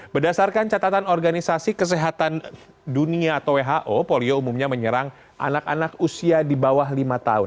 berdasarkan catatan organisasi kesehatan dunia atau who polio umumnya menyerang anak anak usia di bawah lima tahun